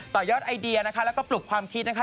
ต่อยอดไอเดียนะคะแล้วก็ปลุกความคิดนะคะ